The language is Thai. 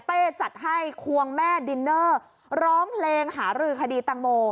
จัดให้ควงแม่ดินเนอร์ร้องเพลงหารือคดีตังโม